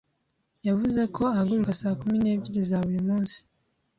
Yavuze ko ahaguruka saa kumi n'ebyiri za buri munsi.